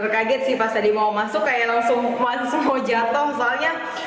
kaget sih pas tadi mau masuk kayak langsung mau jatuh misalnya